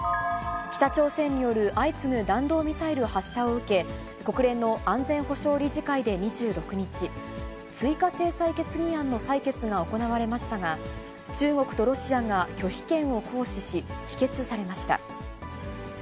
北朝鮮による相次ぐ弾道ミサイル発射を受け、国連の安全保障理事会で２６日、追加制裁決議案の採決が行われましたが、中国とロシアが拒否権を行使し、否決されました。